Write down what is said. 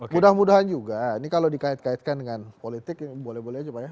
mudah mudahan juga ini kalau dikait kaitkan dengan politik boleh boleh aja pak ya